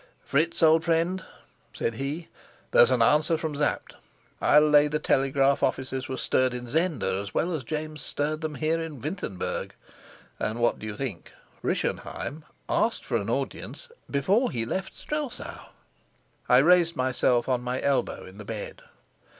"Fritz, old friend," said he, "there's an answer from Sapt. I'll lay the telegraph offices were stirred in Zenda as well as James stirred them here in Wintenberg! And what do you think? Rischenheim asked for an audience before he left Strelsau." I raised myself on my elbow in the bed.